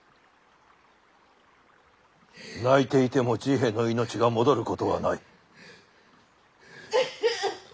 泣いていても治平の命が戻ることはない。